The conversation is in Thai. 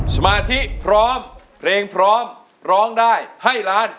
สมาธิพร้อมเพลงพร้อมร้องได้ให้ล้าน